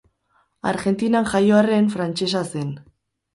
Argentinan jaio arren, frantsesa zen.